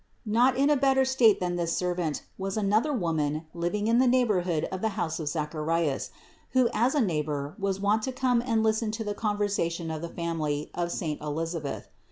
257. Not in a better state than this servant was an other woman living in the neighborhood of the house of Zacharias, who as a neighbor was wont to come and listen to the conversation of the family of saint Elisa beth.